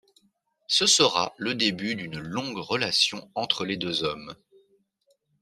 Ce sera le début d'une longue relation entre les deux hommes.